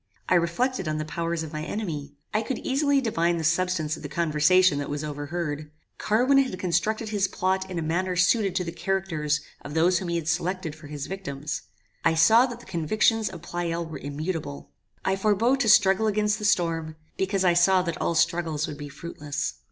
I reflected on the powers of my enemy. I could easily divine the substance of the conversation that was overheard. Carwin had constructed his plot in a manner suited to the characters of those whom he had selected for his victims. I saw that the convictions of Pleyel were immutable. I forbore to struggle against the storm, because I saw that all struggles would be fruitless.